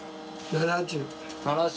７０。